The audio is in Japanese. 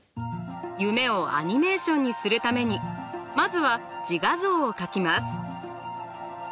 夢をアニメーションにするためにまずは自画像を描きます。